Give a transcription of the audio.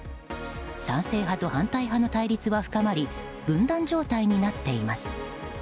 賛成派と反対派の対立は深まり分断状態になっています。